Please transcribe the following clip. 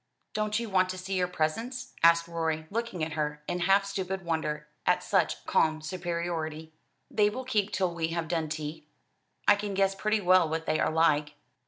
"Don't you want to see your presents?" asked Rorie, looking at her, in half stupid wonder at such calm superiority. "They will keep till we have done tea. I can guess pretty well what they are like.